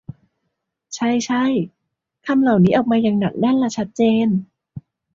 ใช่ ใช่ คำเหล่านี้ออกมาอย่างหนักแน่นและชัดเจน